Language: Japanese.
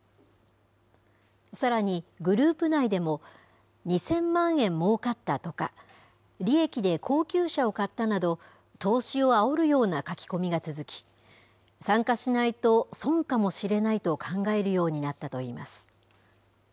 さらに、グループ内でも２０００万円もうかったとか、利益で高級車を買ったなど、投資をあおるような書き込みが続き、参加しないと損かもしれないと考えるようになったといいます。